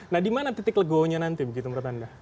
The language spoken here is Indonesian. nah dimana titik legonya nanti menurut anda